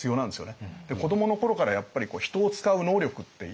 子どもの頃からやっぱり人を使う能力って